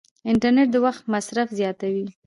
انټرنیټ د وخت مصرف زیاتوي.